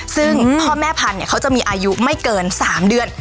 ซึ่งพ่อแม่พันธุ์เขาจะมีอายุไม่เกิน๓เดือน